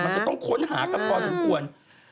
มันจะต้องค้นหากันพอสมควร